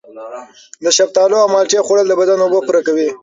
د شفتالو او مالټې خوړل د بدن اوبه پوره کوي.